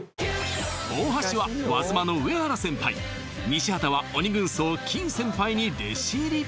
大橋は和妻の上原先輩西畑は鬼軍曹金先輩に弟子入り